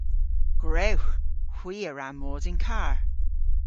Gwrewgh! Hwi a wra mos yn karr.